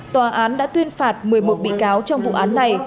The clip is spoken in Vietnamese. tòa án đã tuyên phạt một mươi một bị cáo trong vụ án này